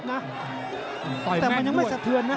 แต่มันยังไม่สะเทือนนะ